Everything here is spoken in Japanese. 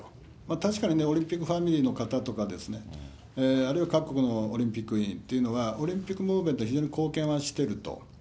確かにオリンピックファミリーの方とか、あるいは各国のオリンピック委員っていうのは、オリンピックに非常に貢献はしてると。